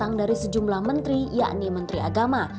dan juga dari sejumlah menteri yakni menteri agama